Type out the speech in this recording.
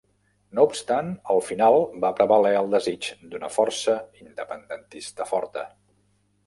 No obstant, al final va prevaler el desig d'una força independentista forta.